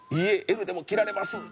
Ｌでも着られます！」